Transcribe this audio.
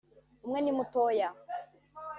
umwe ni mutoya